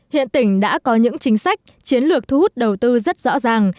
hiện tỉnh đã có những chính sách chiến lược thu hút đầu tư rất rõ ràng